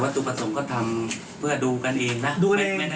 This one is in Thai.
ตุประสงค์ก็ทำเพื่อดูกันเองนะ